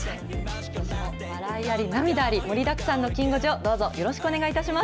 きょうも笑いあり、涙あり、盛りだくさんのきん５時をどうぞよろしくお願いいたします。